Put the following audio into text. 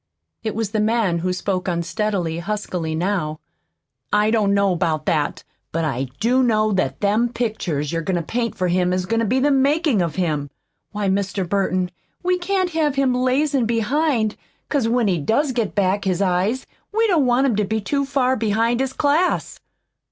It was the man who spoke unsteadily, huskily, now. "I don't know about that, but I do know that them pictures you're goin' to paint for him is goin' to be the makin' of him. Why, Mr. Burton, we can't have him lazin' behind, 'cause when he does get back his eyes we don't want him to be too far behind his class."